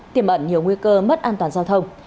tiềm ẩn nhiều nguy cơ mất an toàn giao thông